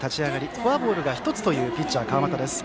フォアボールが１つというピッチャー、川又です。